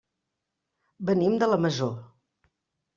Venim de la Masó.